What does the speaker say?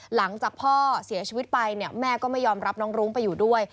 หลังจากพ่อเสียชีวิตไปเนี่ยแม่ก็ไม่ยอมรับน้องรุ้งไปอยู่ด้วย